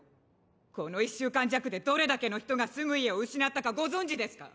この１週間弱でどれだけの人が住む家を失ったかご存じですか！？